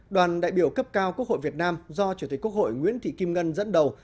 đoàn đại biểu cấp cao quốc hội việt nam do chủ tịch quốc hội nguyễn thị kim ngân dẫn đầu